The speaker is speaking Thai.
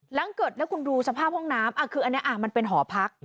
หลังเกิดแล้วคุณดูสภาพห้องน้ำคืออันนี้มันเป็นหอพัก